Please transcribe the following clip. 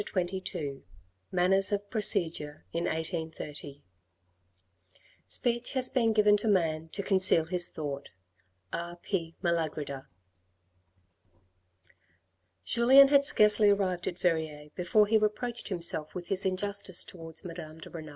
CHAPTER XXII MANNERS OF PROCEDURE IN 1830 Speech has been given to man to conceal his thought. R. P. Malagrida. Julien had scarcely arrived at Verrieres before he reproached himself with his injustice towards Madame de Renal.